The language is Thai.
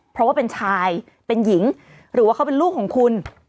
เพราะว่าเป็นชายเป็นหญิงหรือว่าเขาเป็นลูกของคุณ